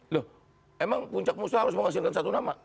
loh emang puncak musuh harus menghasilkan satu nama